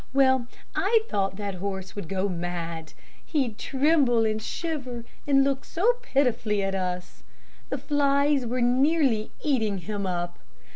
Well, I thought that horse would go mad. He'd tremble and shiver, and look so pitifully at us. The flies were nearly eating him up.